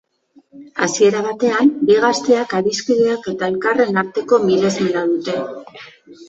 Hasiera batean, bi gazteak adiskideak eta elkarren arteko miresmena dute.